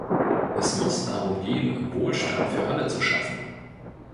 Es muss darum gehen, Wohlstand für alle zu schaffen.